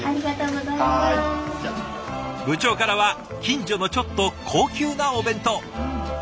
部長からは近所のちょっと高級なお弁当。